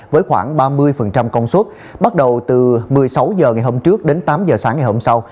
với khoảng ba mươi công suất bắt đầu từ một mươi sáu h ngày hôm trước đến tám h sáng ngày hôm sau